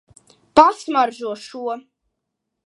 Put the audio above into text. Pasmaržo šo.